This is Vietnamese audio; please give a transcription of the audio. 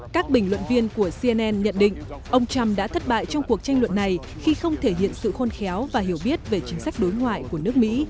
các bình luận viên của cnn nhận định ông trump đã thất bại trong cuộc tranh luận này khi không thể hiện sự khôn khéo và hiểu biết về chính sách đối ngoại của nước mỹ